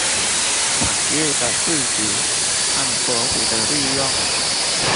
產業的佈局和國土的利用